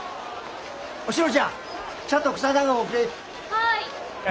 はい。